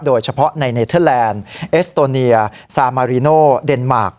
โดยเฉพาะในเนเทอร์แลนด์เอสโตเนียซามาริโนเดนมาร์ค